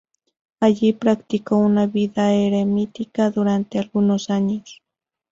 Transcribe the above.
Allí practicó una vida eremítica durante algunos años.